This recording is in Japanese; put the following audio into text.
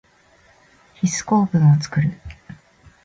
ヒス構文をつくる。